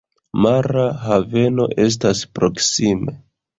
Mara haveno estas proksime.